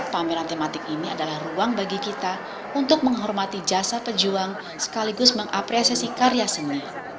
pameran tematik ini adalah ruang bagi kita untuk menghormati jasa pejuang sekaligus mengapresiasi karya seni